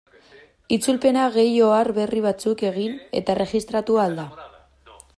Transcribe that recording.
Itzulpena gehi ohar berri batzuk egin eta erregistratu ahal da.